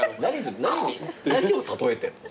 何を例えてんの？